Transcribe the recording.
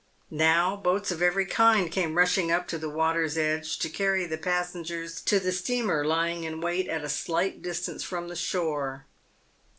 Now boats of every kind came rushing up to the water's edge to carry the passengers to the steamer lying in wait at a slight distance from the shore.